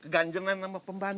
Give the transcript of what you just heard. ganjenan sama pembantu